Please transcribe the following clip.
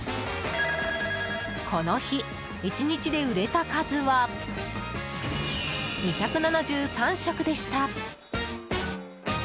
この日１日で売れた数は２７３食でした。